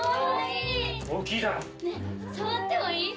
ねえ触ってもいい？